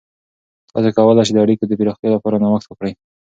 تاسې کولای سئ د اړیکو د پراختیا لپاره نوښت وکړئ.